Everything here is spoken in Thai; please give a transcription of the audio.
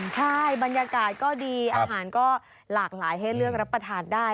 ใช่บรรยากาศก็ดีอาหารก็หลากหลายให้เลือกรับประทานได้